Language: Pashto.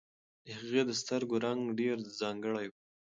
د هغې د سترګو رنګ ډېر ځانګړی و.